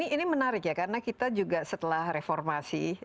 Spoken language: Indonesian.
ini menarik ya karena kita juga setelah reformasi